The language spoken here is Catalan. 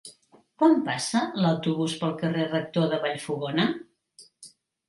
Quan passa l'autobús pel carrer Rector de Vallfogona?